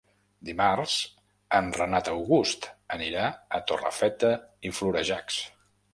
Dimarts en Renat August anirà a Torrefeta i Florejacs.